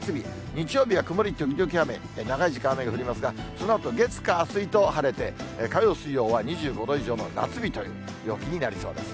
日曜日が曇り時々雨、長い時間雨が降りますが、そのあと月、火、水と晴れて、火曜、水曜は２５度以上の夏日という陽気になりそうです。